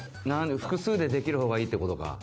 複数でできる方がいいって事か。